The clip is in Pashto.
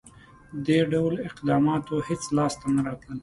• دې ډول اقداماتو هېڅ لاسته نه راتلل.